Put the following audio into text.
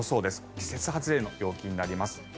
季節外れの陽気になります。